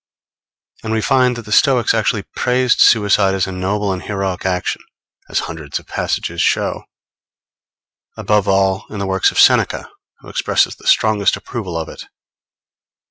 _ And we find that the Stoics actually praised suicide as a noble and heroic action, as hundreds of passages show; above all in the works of Seneca, who expresses the strongest approval of it.